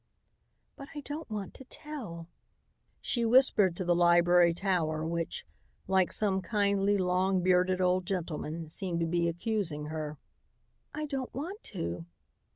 "But I don't want to tell," she whispered to the library tower which, like some kindly, long bearded old gentleman, seemed to be accusing her. "I don't want to."